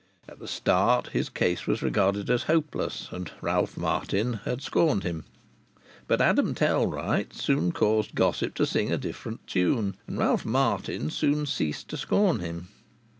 At the start his case was regarded as hopeless, and Ralph Martin had scorned him. But Adam Tellwright soon caused gossip to sing a different tune, and Ralph Martin soon ceased to scorn him.